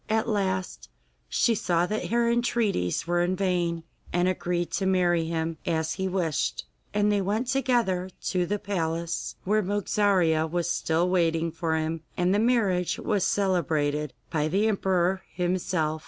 At last she saw that her entreaties were vain, and agreed to marry him, as he wished. And they went together to the palace, where Mogarzea was still waiting for him, and the marriage was celebrated by the emperor himself.